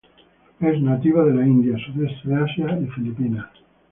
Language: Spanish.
Es nativa de la India, Sudeste de Asia y Filipinas.